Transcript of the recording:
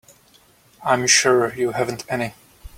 I'm sure you haven't any.